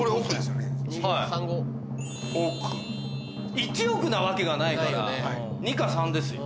１億円なわけがないから２か３ですよ。